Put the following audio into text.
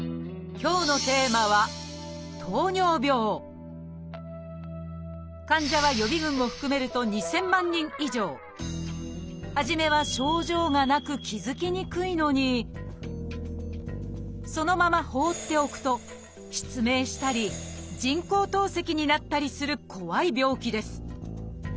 今日のテーマは患者ははじめは症状がなく気付きにくいのにそのまま放っておくと失明したり人工透析になったりする怖い病気です。